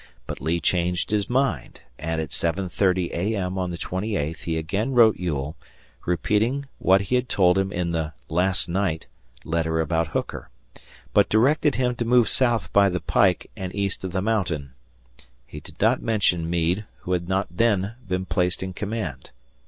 But Lee changed his mind, and, at 7.30 A.M. on the twenty eighth he again wrote Ewell, repeating what he had told him in the "last night" letter about Hooker, but directed him to move south by the pike and east of the mountain He did not mention Meade, who had not then been placed in command.